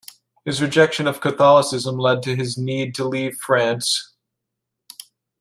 His rejection of Catholicism led to his need to leave France.